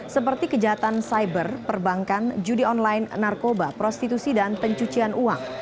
seperti kejahatan cyber perbankan judi online narkoba prostitusi dan pencucian uang